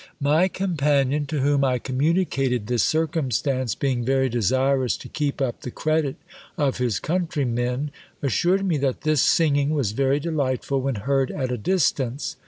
My companion, to whom I communicated this circumstance, being very desirous to keep up the credit of his countrymen, assured me that this singing was very delightful when heard at a distance.